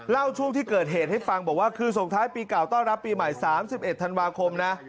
ช่วงที่เกิดเหตุให้ฟังบอกว่าคือส่งท้ายปีเก่าต้อนรับปีใหม่๓๑ธันวาคมนะ